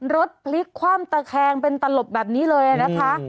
รถพลิกคว่ำตะแคงเป็นตลบแบบนี้เลยนะคะ